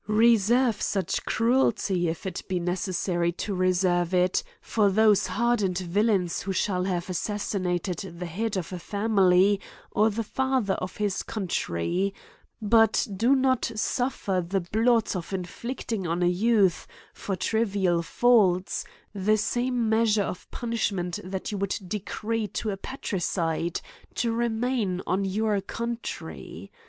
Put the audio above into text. Reserve such cruelty, if it be necessary to reserve it, for those hardened villains who shall have assassinated the head of a family or the father of his country ; but do not suffer the blot of inflicting on a youth, for trival faults, the same measure of punishment that you would decree to a parricide, to remain on your country.